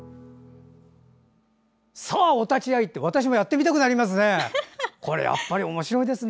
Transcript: さあ、お立ち会い！って私もやってみたくなりますね。